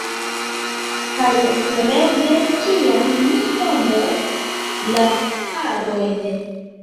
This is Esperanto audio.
Kaj espereble tiam mi tondos la harojn.